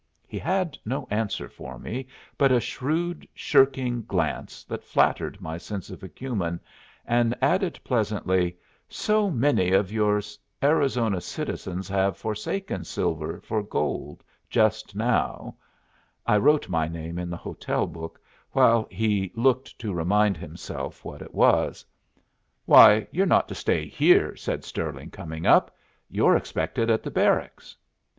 He had no answer for me but a shrewd shirking glance that flattered my sense of acumen, and adding, pleasantly, "So many of your Arizona citizens have forsaken silver for gold just now," I wrote my name in the hotel book, while he looked to remind himself what it was. "Why, you're not to stay here," said Stirling, coming up. "You're expected at the Barracks."